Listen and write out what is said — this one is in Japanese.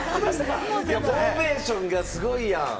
フォーメーションがすごいやん！